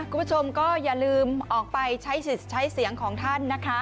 คุณผู้ชมก็อย่าลืมออกไปใช้สิทธิ์ใช้เสียงของท่านนะคะ